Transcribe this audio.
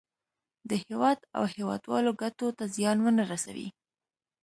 د هېواد او هېوادوالو ګټو ته زیان ونه رسوي.